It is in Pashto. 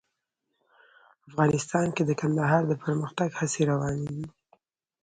افغانستان کې د کندهار د پرمختګ هڅې روانې دي.